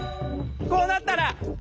こうなったら。